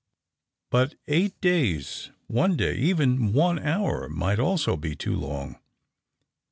But eight days, one day, even one hour might also be too long.